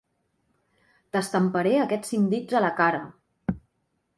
T'estamparé aquests cinc dits a la cara.